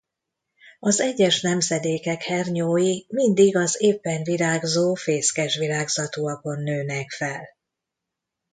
Az egyes nemzedékek hernyói mindig az éppen virágzó fészkesvirágzatúakon nőnek fel.